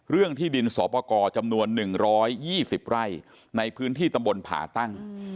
เรื่องที่ดินสอบประกอบจำนวนหนึ่งร้อยยี่สิบไร่ในพื้นที่ตำบลผ่าตั้ง